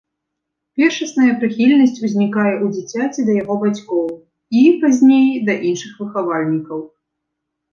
Першасная прыхільнасць узнікае ў дзіцяці да яго бацькоў і, пазней, да іншых выхавальнікаў.